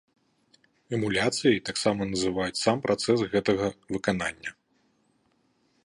Эмуляцыяй таксама называюць сам працэс гэтага выканання.